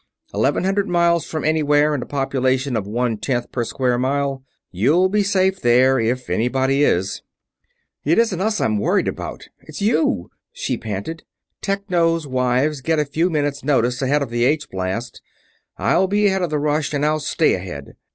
Eleven hundred miles from anywhere and a population of one tenth per square mile you'll be safe there if anybody is." "It isn't us I'm worried about it's you!" she panted. "Technos' wives get a few minutes' notice ahead of the H blast I'll be ahead of the rush and I'll stay ahead.